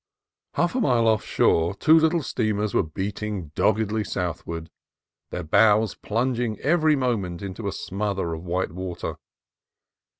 Half a mile offshore two little steamers were beating doggedly A GALE AND A FINE SEA 265 southward, their bows plunging every moment into a smother of white water.